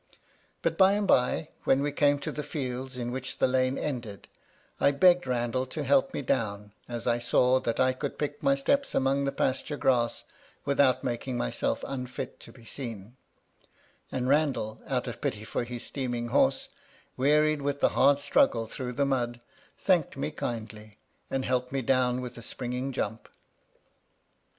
But by and by, when we came to the fields in which the lane ended^ I begged Bandal to help me down, as I saw that I could pick my steps among the pasture grass without making myself unfit to be seen ; and Randal, out of pity for his steaming horse, wearied with the hard struggle through the mud, thanked me kindly, and helped me down with a springing jump.